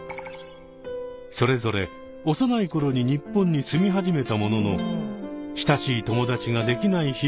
それぞれ幼い頃に日本に住み始めたものの親しい友達ができない日々が続きました。